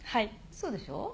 そうでしょう？